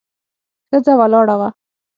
ښځه ولاړه وه.